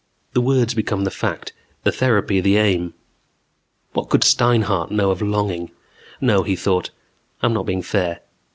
The words become the fact, the therapy the aim. What could Steinhart know of longing? No, he thought, I'm not being fair.